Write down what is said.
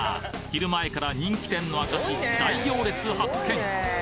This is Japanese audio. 昼前から人気店の証大行列発見！